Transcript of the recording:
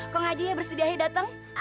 kong haji ya bersedia hei dateng